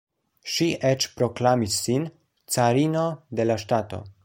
Ŝi eĉ proklamis sin “carino” de la ŝtato.